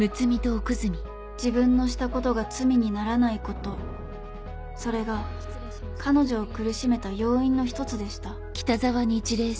自分のしたことが罪にならないことそれが彼女を苦しめた要因の１つでした